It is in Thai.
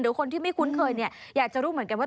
คนที่ไม่คุ้นเคยเนี่ยอยากจะรู้เหมือนกันว่า